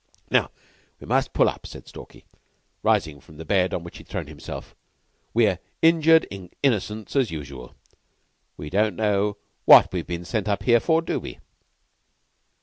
"Now, we must pull up," said Stalky, rising from the bed on which he had thrown himself. "We're injured innocence as usual. We don't know what we've been sent up here for, do we?"